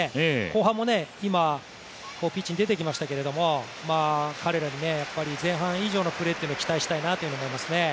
後半も、ピッチに出てきましたけど彼らに前半以上のプレーを期待したいなと思いますね。